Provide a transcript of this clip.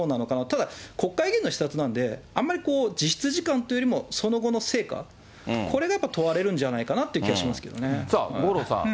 ただ、国会議員の視察なので、あんまり実質時間というよりも、その後の成果、これがやっぱり問われるんじゃないかなという気はさあ、五郎さん。